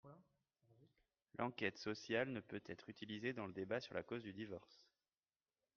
L’enquête sociale ne peut être utilisée dans le débat sur la cause du divorce.